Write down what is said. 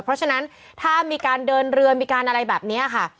เพราะฉะนั้นถ้ามีการเดินเรือมีการอะไรแบบนี้ค่ะ